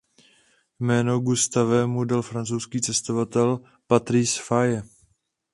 Jméno Gustave mu dal francouzský cestovatel Patrice Faye.